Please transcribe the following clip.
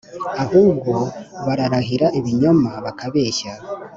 ahubwo bararahira ibinyoma bakabeshya,